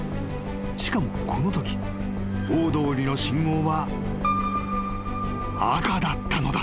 ［しかもこのとき大通りの信号は赤だったのだ］